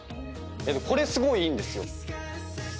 これすごいいいんですよ。